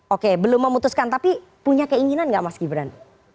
oke belum memutuskan tapi punya keinginan nggak mas gibran